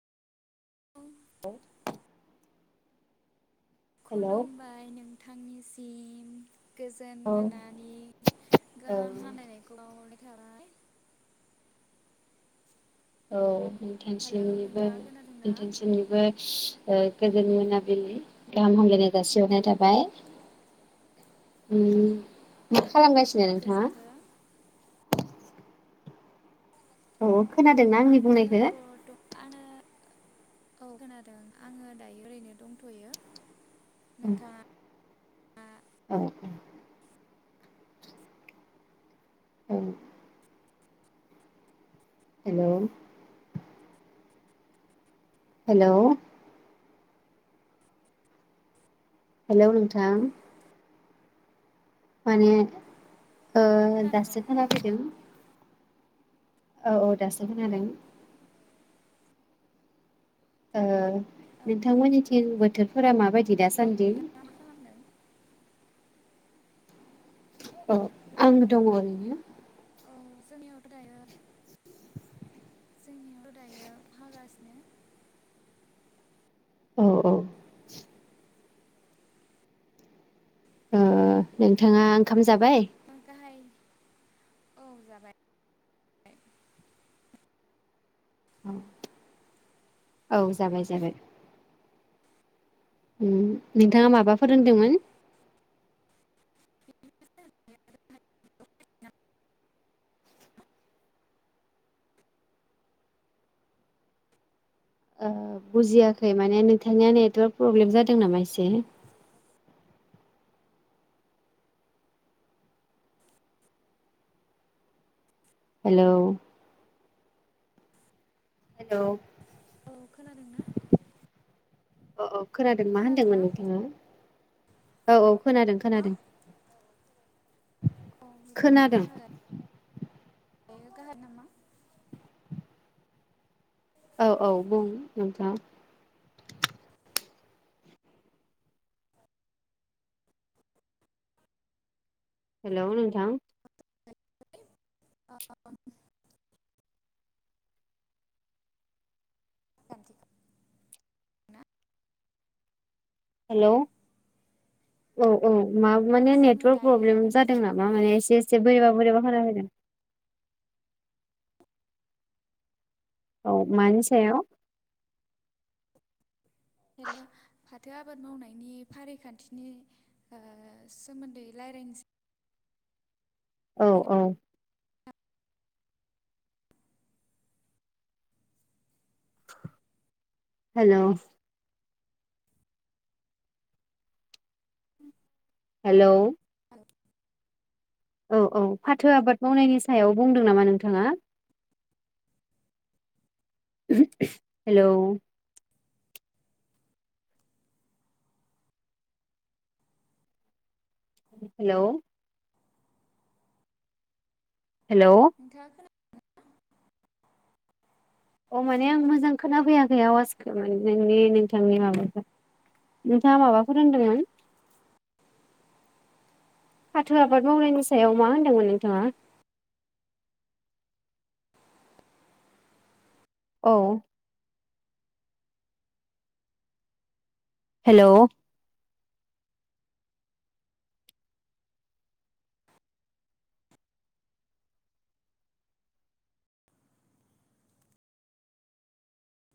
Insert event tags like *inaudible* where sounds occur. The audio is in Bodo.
*inaudible* *unintelligible* हेलौ खुलुमबाय नों थांनिसिम गोजोन औ मोनानि औ गाहाम हामलायनायखौ *unintelligible* औ *unintelligible* ओ हेलौ नोंथाङा खोनादोंना गोजोन मोनाबिलि गाहाम हामलायनाय जासिहरनाय थाबाय उम खालामगासिनो नोंथाङा गोजोन्थों औ खोनादोंना आंनि आङो बुंनायखो आङो औ खोनादों आङो दायो ओरैनो दंथयो नोंथाङा औ औ औ हेलौ हेलौ हेलौ नोंथां माने ओ खोनादों दासो खोना फैदों औ औ दासो खोनादों ओ औ नोंथांमोननिथिं बोथोरफोरा माबायदि दासा सानदि नोंथाङा मा खालामदों औ आंबो दङ ओरैनो औ जोंनियावथ दायो जोंनियावथ दायो अखा हागासिनो औ औ ओ नोंथाङा ओंखाम जाबाय *unintelligible* औ जाबाय औ जाबाय जाबाय ओम नोंथाङा माबाफोर ओनदोंमोन ओ बुजियाखै माने नोंथांनिया नेटवारक प्रब्लेम जादों नामा एसे हेलौ हेलौ औ खोनादों ना अ अ खोनादों मा होनदोंमोन नोंथाङा औ औ खोनादों खोनादों अ बिदिब्ला खोनादों जोङो *unintelligible* औ औ बुं नोंथां। हेल' नोंथां *unintelligible* *unintelligible* हेल' औ। औ मा औ माने जोङो नेटवर्क दायो प्रब्लेम लागोन जादों टपिकखौ नामा माने एसे एसे बोरैबा बोरैबा खोनाफैदों। औ मानि सायाव? हेल' फाथो आबाद मावनायनि फारिखान्थिनि ओ सोमोन्दै लायरायनोसै। औ औ नोंथाङा हेल'। हेल'। औ औ फाथो आबाद मावनायनि सायाव बुंदों नामा नोंथाङा? Hello hello. हेलौ नोंथाङा खोना अ माने आं मोजां खोनाफैयाखै आवसखौ नोंनि नोंथांनि माबाखौ नोंथाङा माबाफोर होनदोंमोन? फाथो आबाद मावनायनि सायाव मा होनदोंमोन नोंथाङा? औ हेल'